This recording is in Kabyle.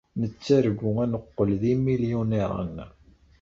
Nettargu ad neqqel d imilyuniṛen.